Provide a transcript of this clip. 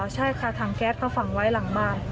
ใช่ค่ะถังแก๊สก็ฝังไว้หลังบ้าน